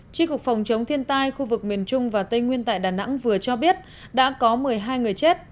tri cục phòng chống thiên tai khu vực miền trung và tây nguyên tại đà nẵng vừa cho biết đã có một mươi hai người chết